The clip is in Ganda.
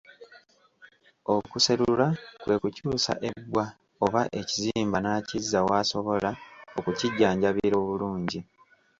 Okuserula kwe kukyusa ebbwa oba ekizimba n’akizza w’asobola okukijjanjabira obulungi.